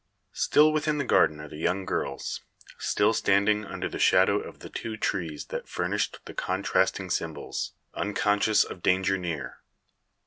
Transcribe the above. Still within the garden are the young girls still standing under the shadow of the two trees that furnished the contrasting symbols, unconscious of danger near.